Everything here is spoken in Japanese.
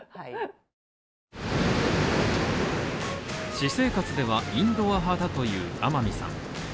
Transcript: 私生活ではインドア派だという天海さん。